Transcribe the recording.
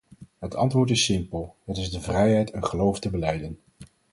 Het antwoord is simpel, het is de vrijheid een geloof te belijden.